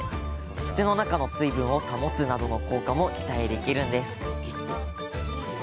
土の中の水分を保つなどの効果も期待できるんです